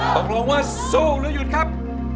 ตกลงว่าสู้หรือหยุดครับ